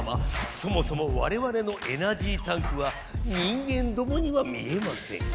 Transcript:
そもそもわれわれのエナジータンクは人間どもには見えません。